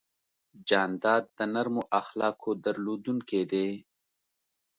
جانداد د نرمو اخلاقو درلودونکی دی.